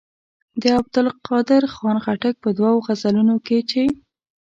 د عبدالقادر خان خټک په دوو غزلونو کې چې.